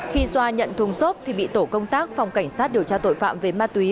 khi xoa nhận thùng xốp thì bị tổ công tác phòng cảnh sát điều tra tội phạm về ma túy